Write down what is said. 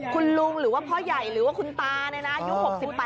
คุณลุงหรือพ่อย่ายหรือคุณตานี่นะ